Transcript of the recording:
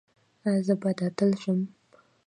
ایا زه باید اتل شم؟